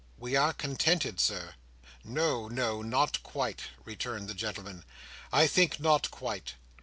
"We are contented, Sir." "No, no, not quite," returned the gentleman. "I think not quite.